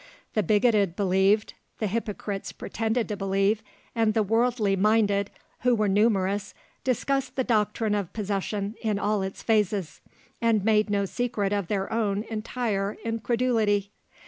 The bigoted believed, the hypocrites pretended to believe; and the worldly minded, who were numerous, discussed the doctrine of possession in all its phases, and made no secret of their own entire incredulity.